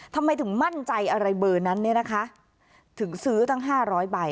ทำไมถึงมั่นใจอะไรเบอร์นั้นเนี่ยนะคะถึงซื้อตั้ง๕๐๐ใบ